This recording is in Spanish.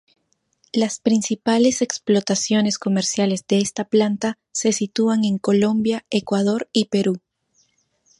Las principales explotaciones comerciales de esta planta se sitúan en Colombia, Ecuador y Perú.